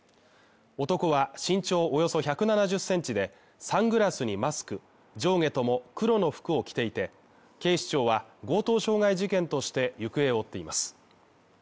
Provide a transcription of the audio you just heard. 男は身長およそ１７０センチで、サングラスにマスク、上下とも黒の服を着ていて、警視庁は強盗傷害事件として行方を追っています。